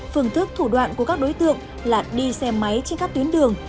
phương thức thủ đoạn của các đối tượng là đi xe máy trên các tuyến đường